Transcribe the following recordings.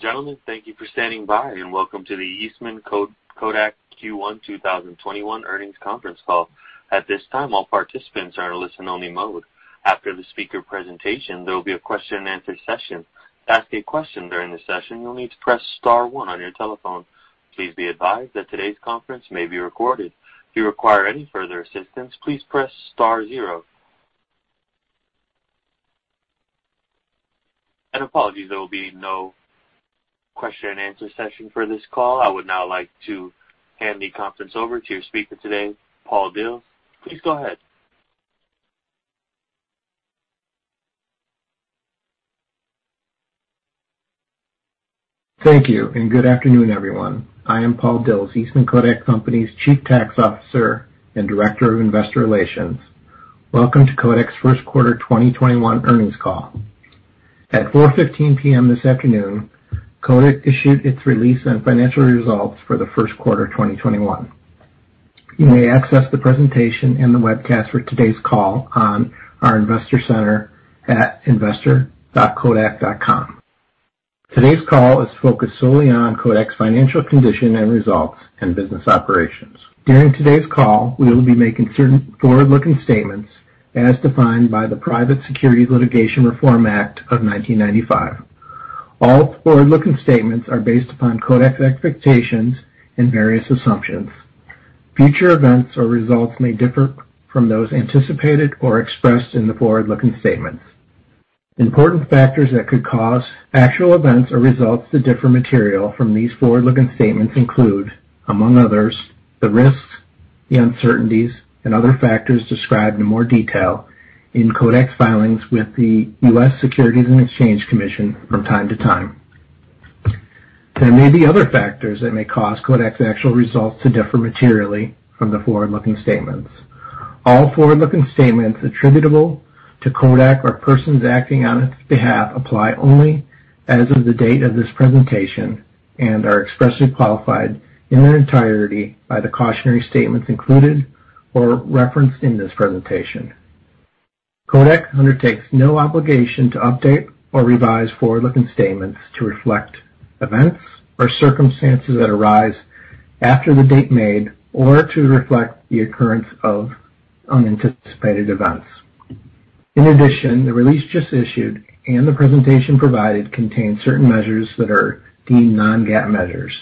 Gentlemen, thank you for standing by, and welcome to the Eastman Kodak Q1 2021 earnings conference call. At this time, all participants are in listen only mode. After the speaker presentation, there will be a question and answer session. To ask a question during the session, you'll need to press star one on your telephone. Please be advised that today's conference may be recorded. If you require any further assistance, please press star zero. Apologies, there will be no question and answer session for this call. I would now like to hand the conference over to your speaker today, Paul Dils. Please go ahead. Thank you, good afternoon, everyone. I am Paul Dils, Eastman Kodak Company's chief tax officer and director of investor relations. Welcome to Kodak's first quarter 2021 earnings call. At 4:00 P.M. this afternoon, Kodak issued its release on financial results for the first quarter of 2021. You may access the presentation and the webcast for today's call on our investor center at investor.kodak.com. Today's call is focused solely on Kodak's financial condition and results and business operations. During today's call, we will be making certain forward-looking statements as defined by the Private Securities Litigation Reform Act of 1995. All forward-looking statements are based upon Kodak's expectations and various assumptions. Future events or results may differ from those anticipated or expressed in the forward-looking statements. Important factors that could cause actual events or results to differ material from these forward-looking statements include, among others, the risks, the uncertainties and other factors described in more detail in Kodak's filings with the U.S. Securities and Exchange Commission from time to time. There may be other factors that may cause Kodak's actual results to differ materially from the forward-looking statements. All forward-looking statements attributable to Kodak or persons acting on its behalf apply only as of the date of this presentation, and are expressly qualified in their entirety by the cautionary statements included or referenced in this presentation. Kodak undertakes no obligation to update or revise forward-looking statements to reflect events or circumstances that arise after the date made, or to reflect the occurrence of unanticipated events. In addition, the release just issued and the presentation provided contain certain measures that are deemed non-GAAP measures.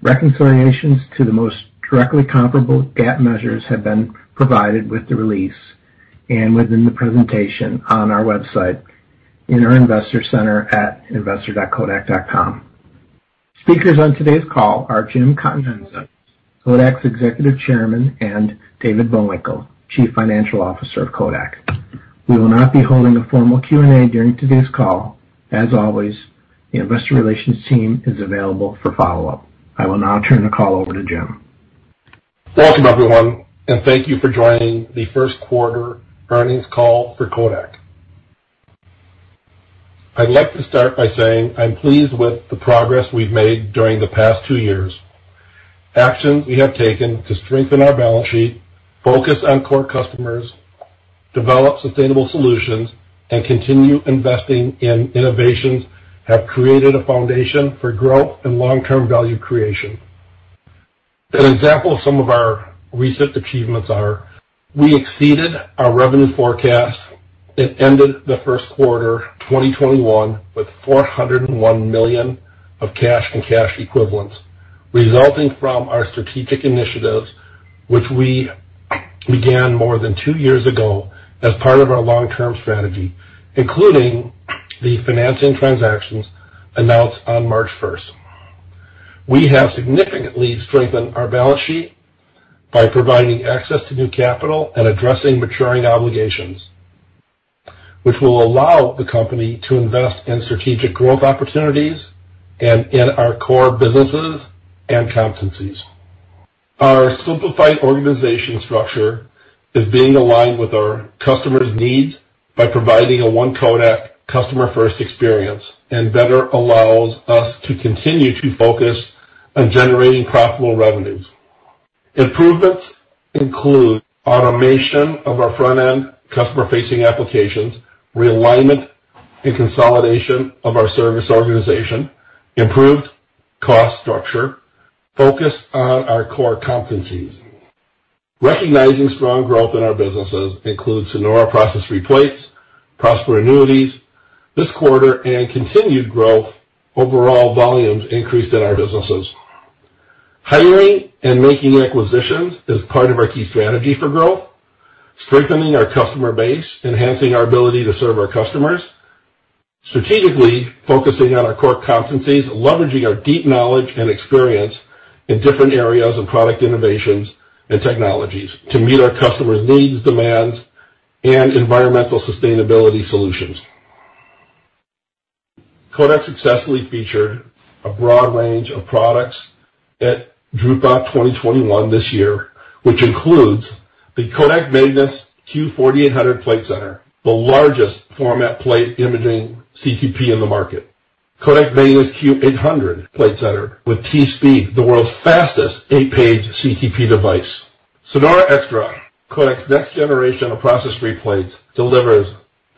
Reconciliations to the most directly comparable GAAP measures have been provided with the release and within the presentation on our website in our investor center at investor.kodak.com. Speakers on today's call are Jim Continenza, Kodak's Executive Chairman, and David Bullwinkle, Chief Financial Officer of Kodak. We will not be holding a formal Q&A during today's call. As always, the investor relations team is available for follow-up. I will now turn the call over to Jim. Welcome, everyone, and thank you for joining the first quarter earnings call for Kodak. I'd like to start by saying I'm pleased with the progress we've made during the past two years. Actions we have taken to strengthen our balance sheet, focus on core customers, develop sustainable solutions, and continue investing in innovations, have created a foundation for growth and long-term value creation. An example of some of our recent achievements are we exceeded our revenue forecast and ended the first quarter 2021 with $401 million of cash and cash equivalents, resulting from our strategic initiatives, which we began more than two years ago as part of our long-term strategy, including the financing transactions announced on March first. We have significantly strengthened our balance sheet by providing access to new capital and addressing maturing obligations, which will allow the company to invest in strategic growth opportunities and in our core businesses and competencies. Our simplified organization structure is being aligned with our customers' needs by providing a one Kodak customer-first experience and better allows us to continue to focus on generating profitable revenues. Improvements include automation of our front-end customer-facing applications, realignment and consolidation of our service organization, improved cost structure, focus on our core competencies. Recognizing strong growth in our businesses includes SONORA process-free plates, PROSPER annuities this quarter, and continued growth overall volumes increase in our businesses. Hiring and making acquisitions is part of our key strategy for growth, strengthening our customer base, enhancing our ability to serve our customers, strategically focusing on our core competencies, leveraging our deep knowledge and experience in different areas of product innovations and technologies to meet our customers' needs, demands, and environmental sustainability solutions. Kodak successfully featured a broad range of products at Drupa 2021 this year, which includes the KODAK MAGNUS Q4800 Platesetter, the largest format plate imaging CTP in the market. KODAK MAGNUS Q800 Platesetter with T-Speed, the world's fastest eight-page CTP device. SONORA XTRA, Kodak's next generation of process free plates, delivers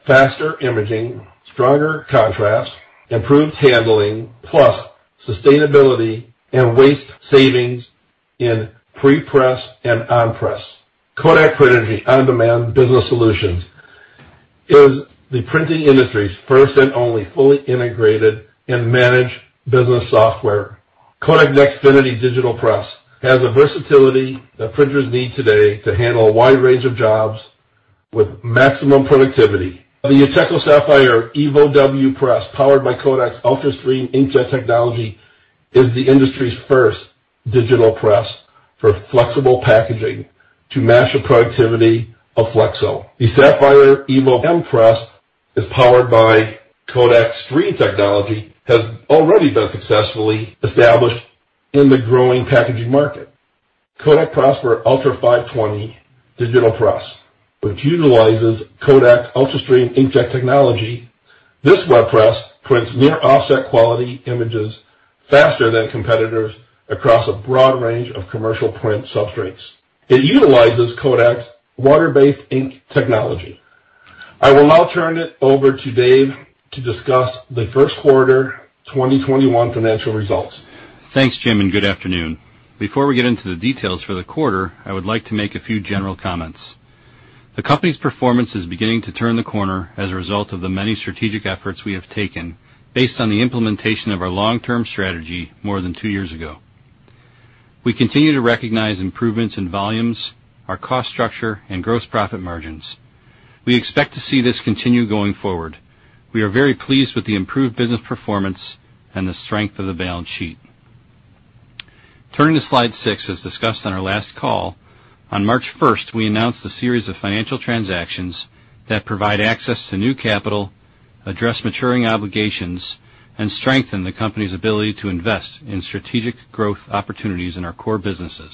faster imaging, stronger contrast, improved handling, plus sustainability and waste savings in pre-press and on-press. KODAK PRINERGY On Demand Business Solutions is the printing industry's first and only fully integrated and managed business software. KODAK NEXFINITY digital press has the versatility that printers need today to handle a wide range of jobs with maximum productivity. The UTECO Sapphire EVO W Press, powered by Kodak's ULTRASTREAM inkjet technology, is the industry's first digital press for flexible packaging to match the productivity of flexo. The Sapphire EVO M Press is powered by KODAK Stream technology, has already been successfully established in the growing packaging market. KODAK PROSPER ULTRA 520 digital press, which utilizes KODAK ULTRASTREAM inkjet technology, this web press prints near offset quality images faster than competitors across a broad range of commercial print substrates. It utilizes Kodak's water-based ink technology. I will now turn it over to Dave to discuss the first quarter 2021 financial results. Thanks, Jim, and good afternoon. Before we get into the details for the quarter, I would like to make a few general comments. The company's performance is beginning to turn the corner as a result of the many strategic efforts we have taken based on the implementation of our long-term strategy more than two years ago. We continue to recognize improvements in volumes, our cost structure, and gross profit margins. We expect to see this continue going forward. We are very pleased with the improved business performance and the strength of the balance sheet. Turning to slide six, as discussed on our last call, on March 1st, we announced a series of financial transactions that provide access to new capital, address maturing obligations, and strengthen the company's ability to invest in strategic growth opportunities in our core businesses.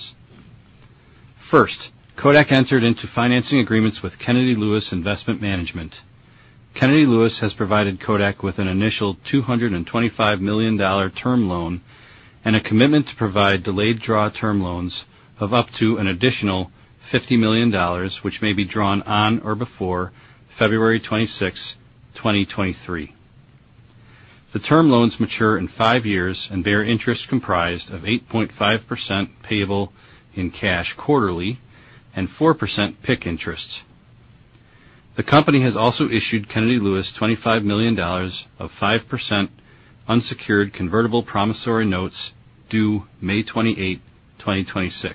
First, Kodak entered into financing agreements with Kennedy Lewis Investment Management. Kennedy Lewis has provided Kodak with an initial $225 million term loan and a commitment to provide delayed draw term loans of up to an additional $50 million, which may be drawn on or before February 26, 2023. The term loans mature in five years and bear interest comprised of 8.5% payable in cash quarterly and 4% PIK interest. The company has also issued Kennedy Lewis $25 million of 5% unsecured convertible promissory notes due May 28, 2026.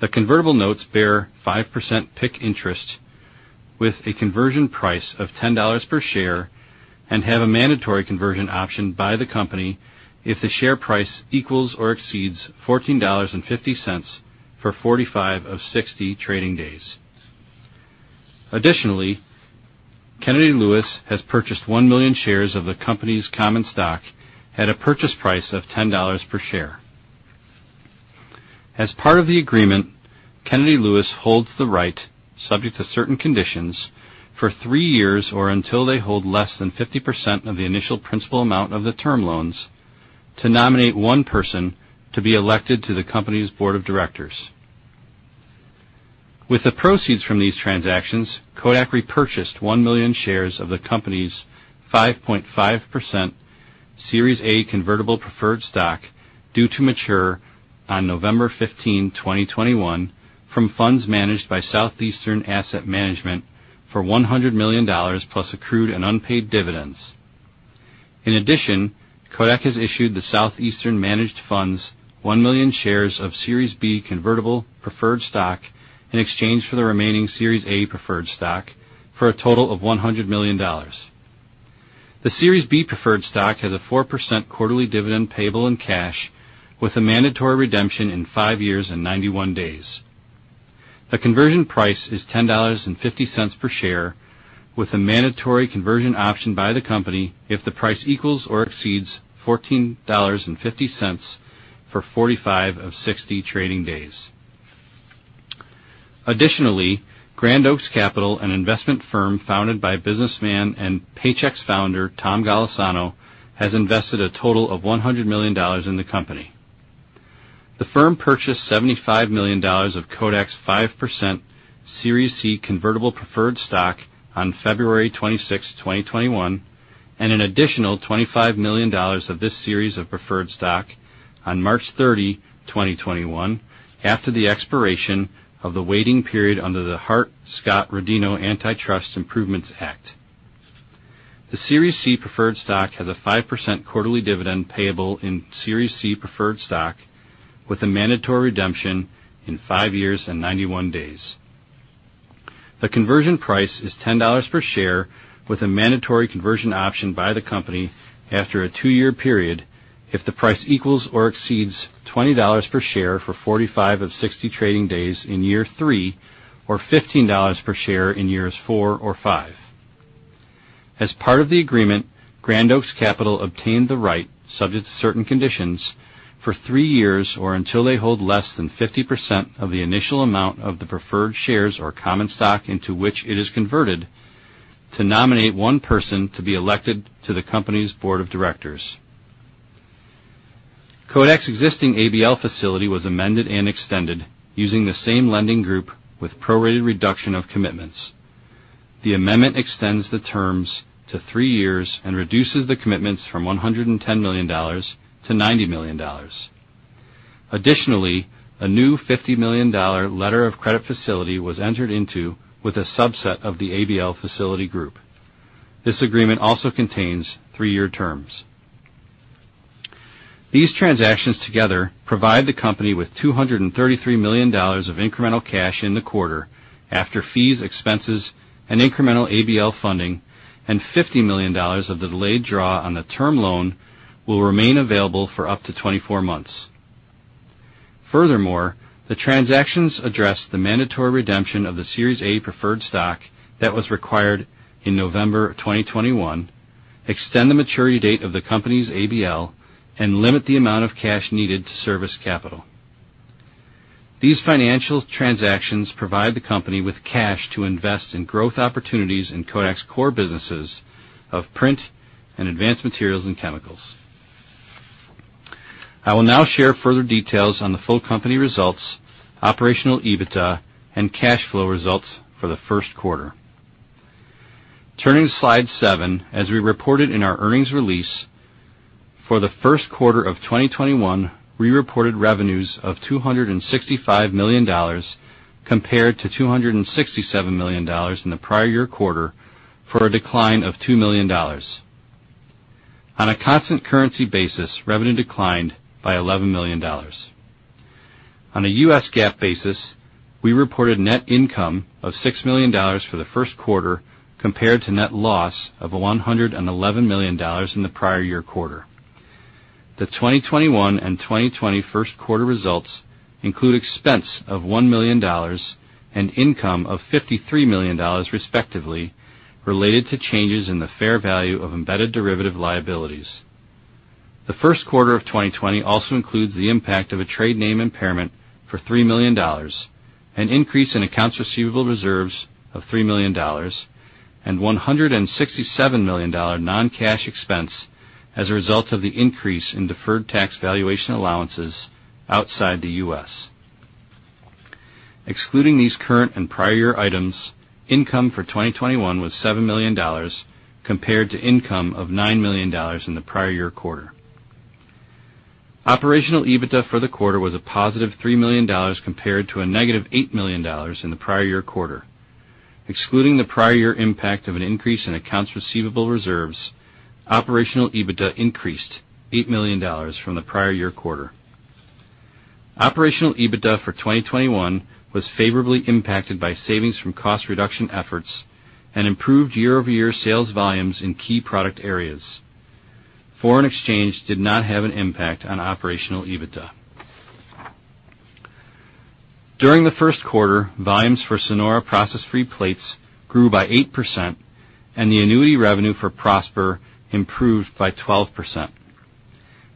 The convertible notes bear 5% PIK interest with a conversion price of $10 per share and have a mandatory conversion option by the company if the share price equals or exceeds $14.50 for 45 of 60 trading days. Additionally, Kennedy Lewis has purchased 1 million shares of the company's common stock at a purchase price of $10 per share. As part of the agreement, Kennedy Lewis holds the right, subject to certain conditions, for three years or until they hold less than 50% of the initial principal amount of the term loans, to nominate one person to be elected to the company's board of directors. With the proceeds from these transactions, Kodak repurchased one million shares of the company's 5.5% Series A Convertible Preferred Stock, due to mature on November 15, 2021, from funds managed by Southeastern Asset Management for $100 million plus accrued and unpaid dividends. In addition, Kodak has issued the Southeastern managed funds one million shares of Series B Convertible Preferred Stock in exchange for the remaining Series A Preferred Stock for a total of $100 million. The Series B Preferred Stock has a 4% quarterly dividend payable in cash with a mandatory redemption in five years and 91 days. The conversion price is $10.50 per share with a mandatory conversion option by the company if the price equals or exceeds $14.50 for 45 of 60 trading days. Additionally, Grand Oaks Capital, an investment firm founded by businessman and Paychex founder Tom Golisano, has invested a total of $100 million in the company. The firm purchased $75 million of Kodak's 5% Series C Convertible Preferred Stock on February 26, 2021, and an additional $25 million of this series of preferred stock on March 30, 2021, after the expiration of the waiting period under the Hart-Scott-Rodino Antitrust Improvements Act. The Series C Convertible Preferred Stock has a 5% quarterly dividend payable in Series C Convertible Preferred Stock with a mandatory redemption in five years and 91 days. The conversion price is $10 per share with a mandatory conversion option by the company after a two-year period if the price equals or exceeds $20 per share for 45 of 60 trading days in year three or $15 per share in years four or five. As part of the agreement, Grand Oaks Capital obtained the right, subject to certain conditions, for three years or until they hold less than 50% of the initial amount of the preferred shares or common stock into which it is converted, to nominate one person to be elected to the company's board of directors. Kodak's existing ABL facility was amended and extended using the same lending group with prorated reduction of commitments. The amendment extends the terms to three years and reduces the commitments from $110 million to $90 million. Additionally, a new $50 million letter of credit facility was entered into with a subset of the ABL facility group. This agreement also contains three-year terms. These transactions together provide the company with $233 million of incremental cash in the quarter after fees, expenses, and incremental ABL funding, and $50 million of the delayed draw on the term loan will remain available for up to 24 months. Furthermore, the transactions address the mandatory redemption of the Series A preferred stock that was required in November 2021, extend the maturity date of the company's ABL, and limit the amount of cash needed to service capital. These financial transactions provide the company with cash to invest in growth opportunities in Kodak's core businesses of print and advanced materials and chemicals. I will now share further details on the full company results, operational EBITDA, and cash flow results for the first quarter. Turning to slide seven, as we reported in our earnings release, for the first quarter of 2021, we reported revenues of $265 million compared to $267 million in the prior year quarter for a decline of $2 million. On a constant currency basis, revenue declined by $11 million. On a U.S. GAAP basis, we reported net income of $6 million for the first quarter, compared to net loss of $111 million in the prior year quarter. The 2021 and 2020 first quarter results include expense of $1 million and income of $53 million respectively, related to changes in the fair value of embedded derivative liabilities. The first quarter of 2020 also includes the impact of a trade name impairment for $3 million, an increase in accounts receivable reserves of $3 million, and $167 million non-cash expense as a result of the increase in deferred tax valuation allowances outside the U.S. Excluding these current and prior year items, income for 2021 was $7 million, compared to income of $9 million in the prior year quarter. Operational EBITDA for the quarter was a positive $3 million compared to a negative $8 million in the prior year quarter. Excluding the prior year impact of an increase in accounts receivable reserves, operational EBITDA increased $8 million from the prior year quarter. Operational EBITDA for 2021 was favorably impacted by savings from cost reduction efforts and improved year-over-year sales volumes in key product areas. Foreign exchange did not have an impact on operational EBITDA. During the first quarter, volumes for SONORA process free plates grew by 8%, and the annuity revenue for PROSPER improved by 12%.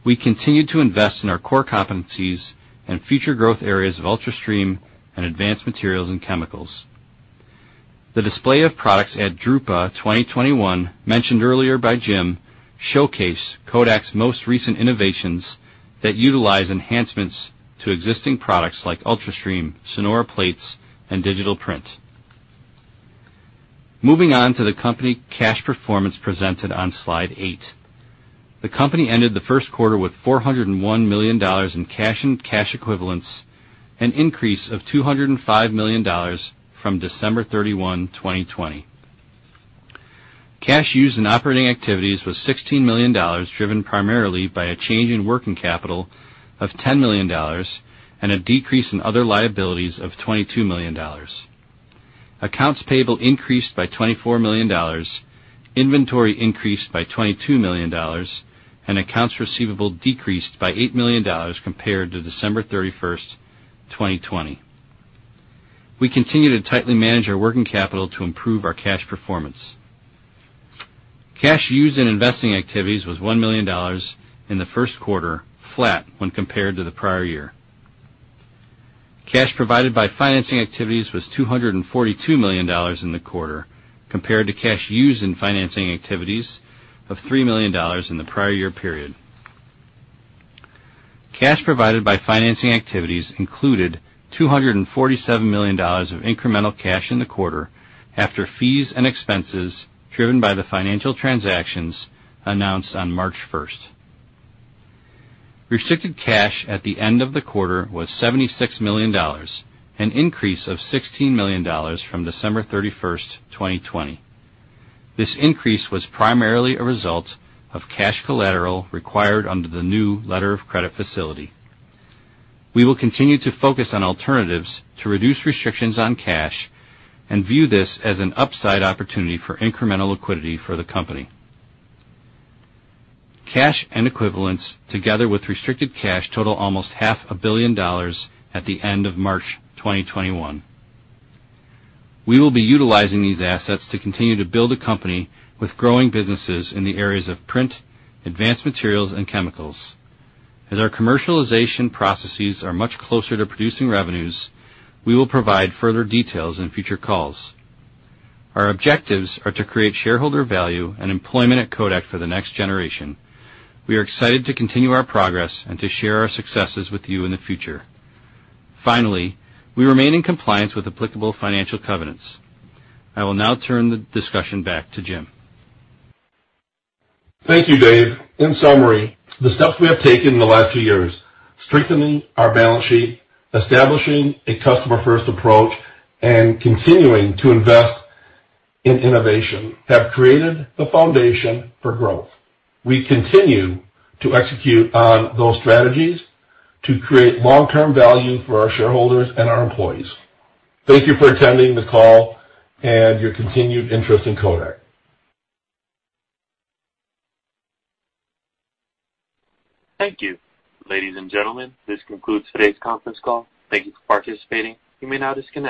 We continued to invest in our core competencies and future growth areas of ULTRASTREAM and advanced materials and chemicals. The display of products at virtual.drupa 2021, mentioned earlier by Jim, showcase Kodak's most recent innovations that utilize enhancements to existing products like KODAK ULTRASTREAM, SONORA plates, and digital print. Moving on to the company cash performance presented on slide eight. The company ended the first quarter with $401 million in cash and cash equivalents, an increase of $205 million from December 31, 2020. Cash used in operating activities was $16 million, driven primarily by a change in working capital of $10 million and a decrease in other liabilities of $22 million. Accounts payable increased by $24 million, inventory increased by $22 million, and accounts receivable decreased by $8 million compared to December 31, 2020. We continue to tightly manage our working capital to improve our cash performance. Cash used in investing activities was $1 million in the first quarter, flat when compared to the prior year. Cash provided by financing activities was $242 million in the quarter, compared to cash used in financing activities of $3 million in the prior year period. Cash provided by financing activities included $247 million of incremental cash in the quarter after fees and expenses driven by the financial transactions announced on March 1st. Restricted cash at the end of the quarter was $76 million, an increase of $16 million from December 31st, 2020. This increase was primarily a result of cash collateral required under the new letter of credit facility. We will continue to focus on alternatives to reduce restrictions on cash and view this as an upside opportunity for incremental liquidity for the company. Cash and equivalents, together with restricted cash, total almost half a billion dollars at the end of March 2021. We will be utilizing these assets to continue to build a company with growing businesses in the areas of print, advanced materials, and chemicals. As our commercialization processes are much closer to producing revenues, we will provide further details in future calls. Our objectives are to create shareholder value and employment at Kodak for the next generation. We are excited to continue our progress and to share our successes with you in the future. Finally, we remain in compliance with applicable financial covenants. I will now turn the discussion back to Jim. Thank you, Dave. In summary, the steps we have taken in the last few years, strengthening our balance sheet, establishing a customer-first approach, and continuing to invest in innovation, have created the foundation for growth. We continue to execute on those strategies to create long-term value for our shareholders and our employees. Thank you for attending the call and your continued interest in Kodak. Thank you. Ladies and gentlemen, this concludes today's conference call. Thank you for participating. You may now disconnect.